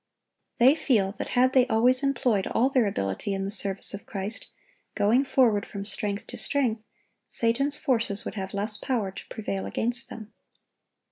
They feel that had they always employed all their ability in the service of Christ, going forward from strength to strength, Satan's forces would have less power to prevail against them.